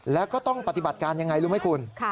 แล้วก็ต้องปฏิบัติการยังไงรู้ไหมคุณ